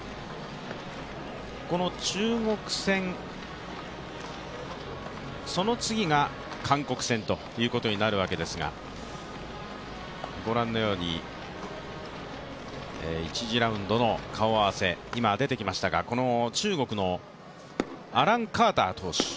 この中国戦、その次が韓国戦ということになるわけですがご覧のように１次ラウンドの顔合わせ、今出てきましたが中国のアラン・カーター投手。